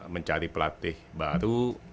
mencari pelatih baru